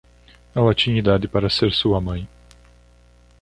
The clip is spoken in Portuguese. Ela tinha idade para ser sua mãe.